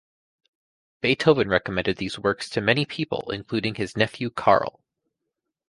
Beethoven recommended these works to many people including his nephew Karl.